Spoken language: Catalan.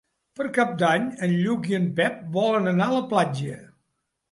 Per Cap d'Any en Lluc i en Pep volen anar a la platja.